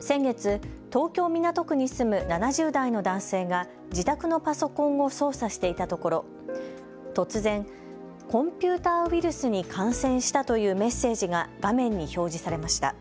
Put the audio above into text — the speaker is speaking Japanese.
先月、東京・港区に住む７０代の男性が自宅のパソコンを操作していたところ突然、コンピューターウイルスに感染したというメッセージが画面に表示されました。